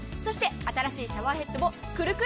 新しいシャワーヘッドもクルクル。